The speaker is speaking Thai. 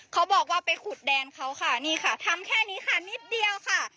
เขาบอกว่าไปขุดแดนเขาค่ะนี่ค่ะทำแค่นี้ค่ะนิดเดียวค่ะ